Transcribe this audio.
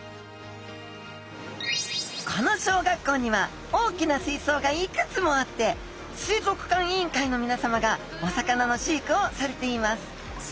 この小学校には大きな水槽がいくつもあって水族館委員会のみなさまがお魚の飼育をされています